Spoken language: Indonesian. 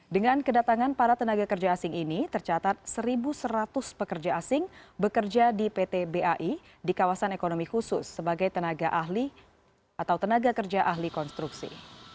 dengan kedatangan para tenaga kerja asing ini tercatat satu seratus pekerja asing bekerja di pt bai di kawasan ekonomi khusus sebagai tenaga ahli atau tenaga kerja ahli konstruksi